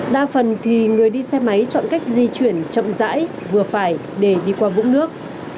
đa phần thì người đi xe máy chọn cách di chuyển chậm dãi vừa phải để đi qua vũng nước